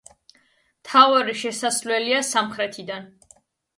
მთავარი შესასვლელია სამხრეთიდან.